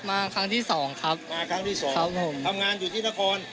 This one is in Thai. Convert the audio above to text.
มาครั้งที่สองครับมาครั้งที่สองครับผมทำงานอยู่ที่นคร